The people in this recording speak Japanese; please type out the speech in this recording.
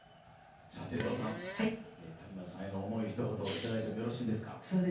天童さん谷村さんへの思いをひと言いただいてもよろしいですか。